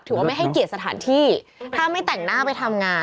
ว่าไม่ให้เกียรติสถานที่ถ้าไม่แต่งหน้าไปทำงาน